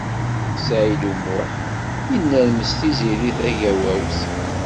Saɛid U Muḥ yennermes Tiziri Tagawawt.